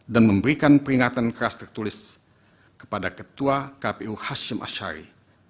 dan memberikan peringatan keras tertulis kepada ketua kpu hashim ashari